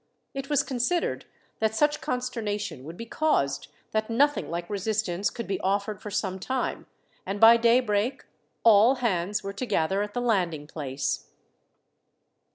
It was considered that such consternation would be caused that nothing like resistance could be offered for some time, and by daybreak all hands were to gather at the landing place.